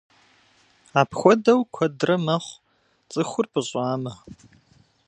Апхуэдэу куэдрэ мэхъу, цӀыхур пӀыщӀамэ.